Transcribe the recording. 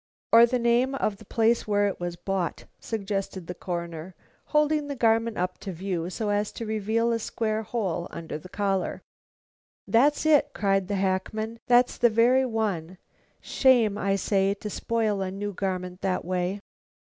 "Or the name of the place where it was bought," suggested the Coroner, holding the garment up to view so as to reveal a square hole under the collar. "That's it!" cried the hackman. "That's the very one. Shame, I say, to spoil a new garment that way."